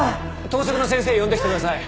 当直の先生呼んできてください。